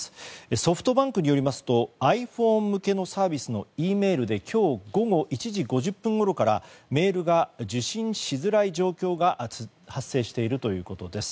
ソフトバンクによりますとｉＰｈｏｎｅ向けのサービスのＥメールで今日午後１時５０分ごろからメールが受信しづらい状況が発生しているということです。